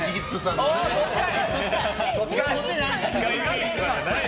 そっちかい！